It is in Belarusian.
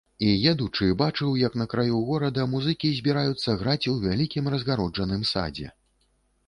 І, едучы, бачыў, як на краю горада музыкі збіраюцца граць у вялікім разгароджаным садзе.